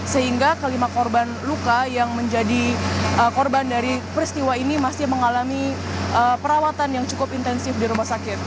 sehingga kelima korban luka yang menjadi korban dari peristiwa ini masih mengalami perawatan yang cukup intensif di rumah sakit